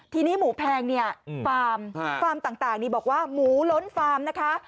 ทีนี้หมูแพงเนี่ยฟาร์มฟาร์มต่างนี่บอกว่าหมูล้นฟาร์มนะคะ